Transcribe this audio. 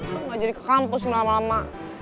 aku gak jadi ke kampus lama lama